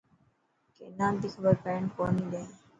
ڪينا بي خبر پيڻ ڪوني ڏي.